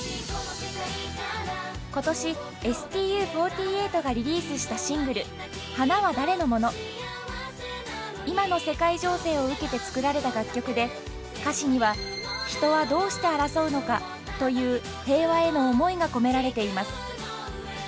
今年ＳＴＵ４８がリリースしたシングル今の世界情勢を受けて作られた楽曲で歌詞には「人はどうして争うのか」という平和への思いが込められています。